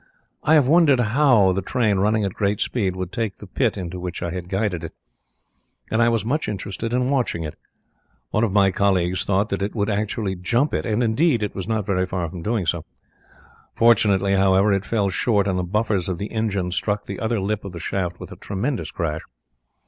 "I had wondered how the train running at a great speed would take the pit into which I had guided it, and I was much interested in watching it. One of my colleagues thought that it would actually jump it, and indeed it was not very far from doing so. Fortunately, however, it fell short, and the buffers of the engine struck the other lip of the shaft with a tremendous crash.